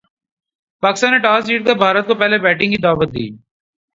پاکستان نے ٹاس جیت کر بھارت کو پہلے بیٹنگ کی دعوت دی۔